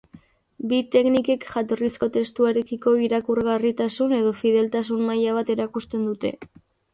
Bi teknikek jatorrizko testuarekiko irakurgarritasun- edo fideltasun-maila bat erakusten dute.